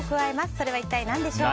それは一体何でしょう。